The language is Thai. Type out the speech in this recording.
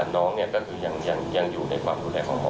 น้องก็คือยังอยู่ในความดูแลของหมอ